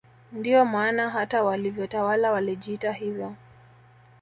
Ndio maana hata walivyotawala walijiita hivyo